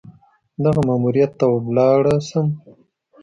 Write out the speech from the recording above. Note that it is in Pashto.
دغه ماموریت ته ولاړه شم.